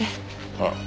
ああ。